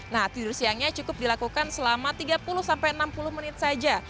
nah tidur siangnya cukup dilakukan selama tiga puluh sampai enam puluh menit saja